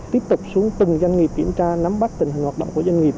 tiếp tục xuống từng doanh nghiệp kiểm tra nắm bắt tình hình hoạt động của doanh nghiệp